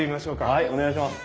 はいお願いします。